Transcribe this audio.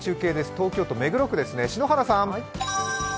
東京都目黒区です、篠原さん。